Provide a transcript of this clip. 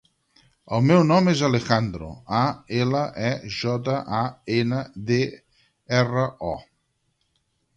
El meu nom és Alejandro: a, ela, e, jota, a, ena, de, erra, o.